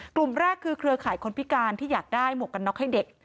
กลุ่มแรกคือเครือข่ายคนพิการที่อยากได้หมวกกันน็อกให้เด็ก